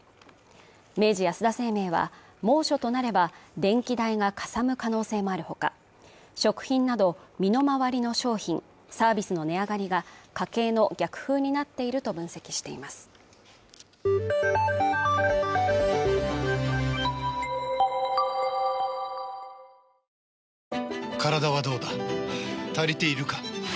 明治安田生命は猛暑となれば電気代がかさむ可能性もある他、食品など、身の回りの商品サービスの値上がりが家計の食べてミーノん⁉こんなソラマメん。